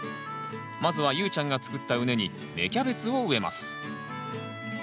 まずは裕ちゃんがつくった畝に芽キャベツを植えます。